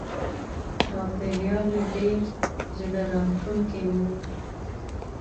چاپېریال یې ډېر زړه راښکونکی و.